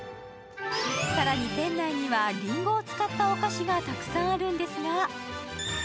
更に店内にはりんごを使ったお菓子がたくさんあるんですが。